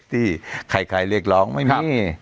ที่ใครเรียกร้องไม่มี